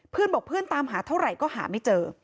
เพื่อนบอกเพื่อนตามหาเท่าไหร่ก็หาไม่เจอ